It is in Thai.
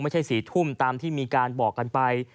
๔ทุ่มตามที่มีการบอกกันไป